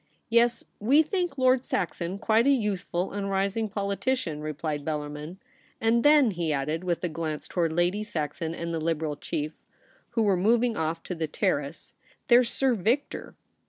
* Yes, we think Lord Saxon quite a youth ful and rising politician,' replied Bellarmin ;* and then,' he added, with a glance towards Lady Saxon and the Liberal chief, who were moving off to the Terrace, ' there's Sir Victor.'